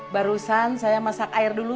barusan saya masak air dulu